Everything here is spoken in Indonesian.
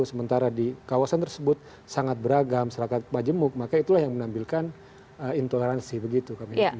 sementara di kawasan tersebut sangat beragam serakat majemuk maka itulah yang menampilkan intoleransi begitu